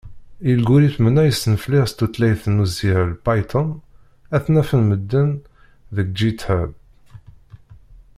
Ilguritmen-a i snefliɣ s tutlayt n usihel Python, ad ten-afen medden deg Github.